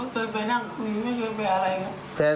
เคยไปนั่งคุยไม่เคยไปอะไรครับ